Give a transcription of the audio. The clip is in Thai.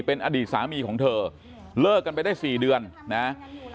เป็นอดีตสามีของเธอเลิกกันไปได้๔เดือนนะ